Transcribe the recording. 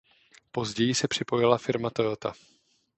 Později se připojila firma Toyota.